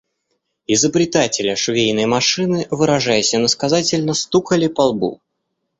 Изобретателя швейной машины, выражаясь иносказательно, стукали по лбу.